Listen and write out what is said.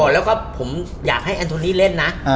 แล้วก็ผมอยากให้แอนโทนี่เล่นนะ